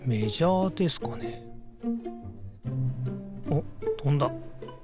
おっとんだ。